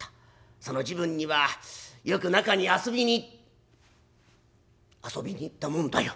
その時分にはよく吉原に遊びに遊びに行ったもんだよ。